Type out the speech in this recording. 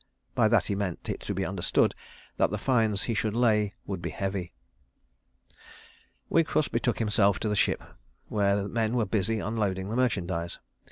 By that he meant it to be understood that the fines he should lay would be heavy. Wigfus betook himself to the ship where men were busy unloading the merchandise.